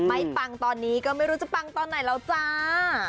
ปังตอนนี้ก็ไม่รู้จะปังตอนไหนแล้วจ้า